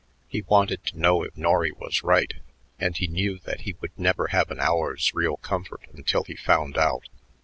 He wanted to know if Norry was right, and he knew that he would never have an hour's real comfort until he found out.